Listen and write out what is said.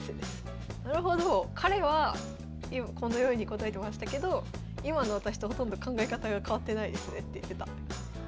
彼はこのように答えてましたけど今の私とほとんど考え方が変わってないですね」って言ってた。